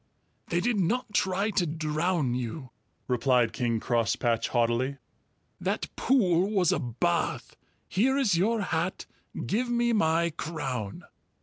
"They did not try to drown you," replied King Crosspatch haughtily. "That pool was a bath. Here is your hat; give me my crown."